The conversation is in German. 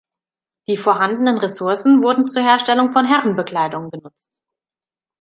Die vorhandenen Ressourcen wurden zur Herstellung von Herrenbekleidung genutzt.